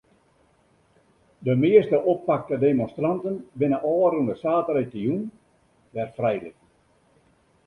De measte oppakte demonstranten binne ôfrûne saterdeitejûn wer frijlitten.